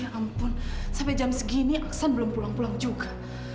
ampun sampai jam segini aksan belum pulang pulang juga